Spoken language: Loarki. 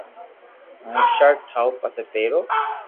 ھون ݾرٽ ٺاو پسي پيرو